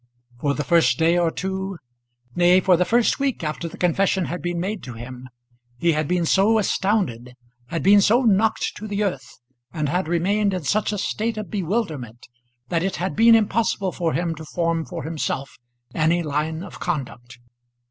For the first day or two nay for the first week after the confession had been made to him, he had been so astounded, had been so knocked to the earth, and had remained in such a state of bewilderment, that it had been impossible for him to form for himself any line of conduct.